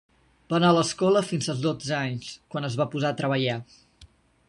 Va anar a escola fins als dotze anys, quan es va posar a treballar.